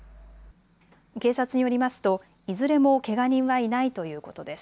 警察によりますといずれもけが人はいないということです。